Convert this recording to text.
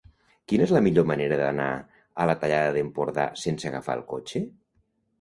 Quina és la millor manera d'anar a la Tallada d'Empordà sense agafar el cotxe?